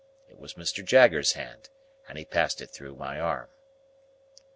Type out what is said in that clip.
It was Mr. Jaggers's hand, and he passed it through my arm.